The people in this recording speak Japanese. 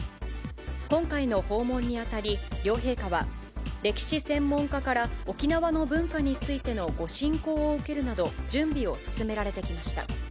今回の訪問にあたり、両陛下は、歴史専門家から沖縄の文化についてのご進講を受けるなど、準備を進められてきました。